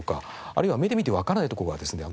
あるいは目で見てわからないとこはですね